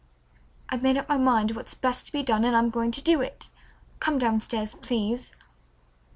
"I've made up my mind what's best to be done, and I'm going to do it. Come down stairs, please."